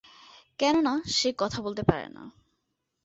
কেননা সে কথা বলতে পারে না।